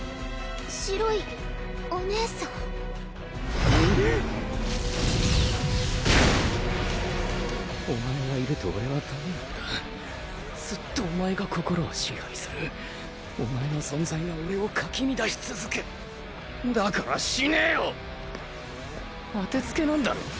白いお姉さんお前がいると俺はダメなんだずっとお前が心を支配するお前の存在が俺をかき乱し続けるだから死ねよ当てつけなんだろ？